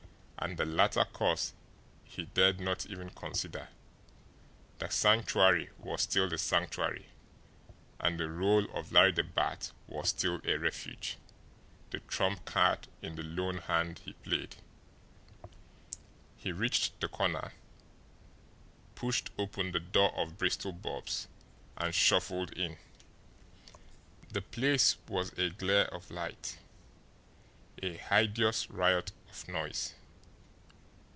And the latter course he dared not even consider the Sanctuary was still the Sanctuary, and the role of Larry the Bat was still a refuge, the trump card in the lone hand he played. He reached the corner, pushed open the door of Bristol Bob's, and shuffled in. The place was a glare of light, a hideous riot of noise.